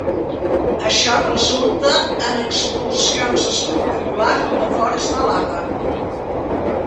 Això resulta en expulsions espectaculars de fonts de lava.